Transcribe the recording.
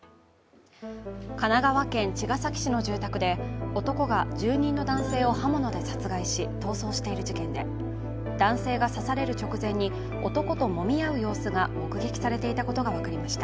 神奈川県茅ヶ崎市の住宅で男が住人の男性を刃物で殺害し逃走している事件で男性が刺される直前に男ともみ合う様子が目撃されていたことが分かりました。